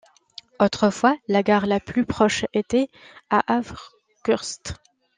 Autrefois la gare la plus proche était à Hawkhurst.